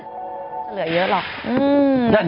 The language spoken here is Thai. เหลือเยอะหรอ